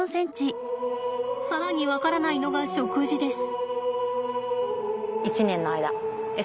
更に分からないのが食事です。